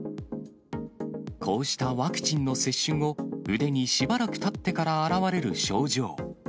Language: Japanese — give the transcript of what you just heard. こうしたワクチンの接種後、腕にしばらくたってから現れる症状。